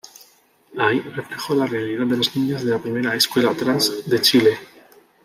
Ahí reflejó la realidad de las niñas de la primera escuela trans de Chile.